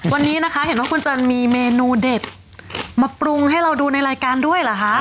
วันนี้นะคะเห็นว่าคุณจันมีเมนูเด็ดมาปรุงให้เราดูในรายการด้วยเหรอคะ